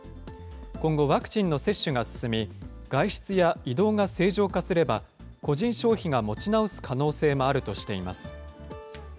今後、ワクチンの接種が進み、外出や移動が正常化すれば、個人消費が持ち直す可能性もあるとしています。